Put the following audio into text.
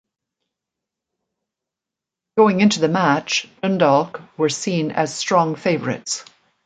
Going into the match Dundalk were seen as strong favourites.